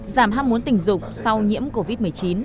giảm ham muốn tình dục sau nhiễm covid một mươi chín